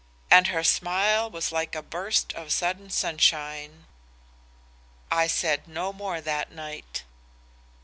And her smile was like a burst of sudden sunshine. "I said no more that night.